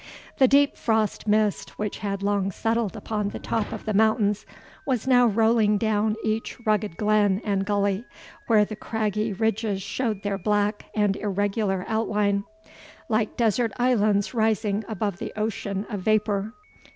The deep frost mist, which had long settled upon the top of the mountains, was now rolling down each rugged glen and gully, where the craggy ridges showed their black and irregular outline, like desert islands rising above the ocean of vapour.